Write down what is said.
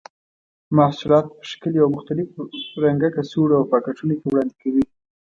محصولات په ښکلو او مختلفو رنګه کڅوړو او پاکټونو کې وړاندې کوي.